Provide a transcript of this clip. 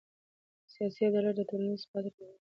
سیاسي عدالت ټولنیز ثبات راولي